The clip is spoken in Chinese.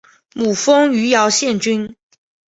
母封余姚县君。